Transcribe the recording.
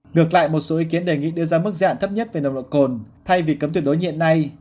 ngược lại một số ý kiến đề nghị đưa ra mức dạng thấp nhất về nồng độ cồn thay vì cấm tuyệt đối hiện nay